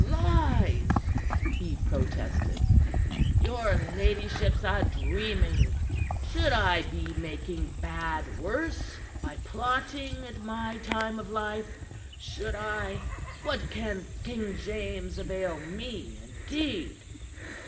Lies!" he protested. "Your ladyship's a dreaming. Should I be making bad worse by plotting at my time of life? Should I? What can King James avail me, indeed?"